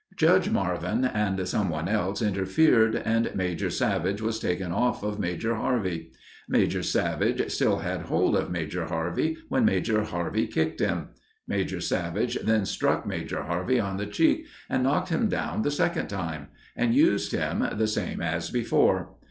Judge Marvin and some one else interfered, and Major Savage was taken off of Major Harvey. Major Savage still had hold of Major Harvey when Major Harvey kicked him. Major Savage then struck Major Harvey on the cheek, and knocked him down the second time, and used him, the same as before.